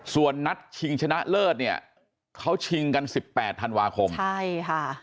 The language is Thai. ส่วนนัดชิงชนะเลิศเนี่ยเขาชิงกันสิบแปดธันวาคมใช่ค่ะ